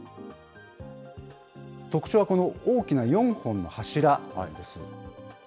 特徴はこの大きな４本の柱なんです。